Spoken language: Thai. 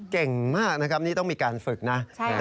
เก่งมากนะครับนี่ต้องมีการฝึกนะ